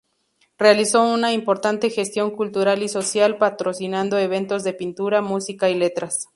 Realizó una importante gestión cultural y social, patrocinando eventos de pintura, música y letras.